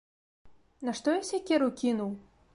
Нашто я сякеру кінуў!